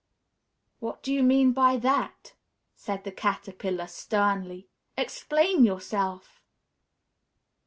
"What do you mean by that?" said the Caterpillar, sternly. "Explain yourself!"